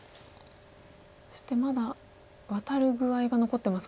そしてまだワタる具合が残ってますか。